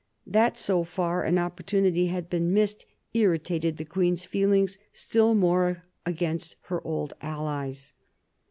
That so fair an opportunity had been missed irritated the queen's feelings still more against her old allies.